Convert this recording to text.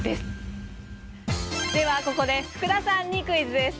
ではここで福田さんにクイズです。